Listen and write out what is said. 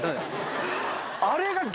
あれが。